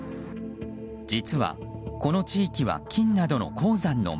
実は、この地域は金などの鉱山の町。